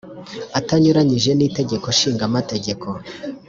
Atanyuranyije n itegeko nshinga amategeko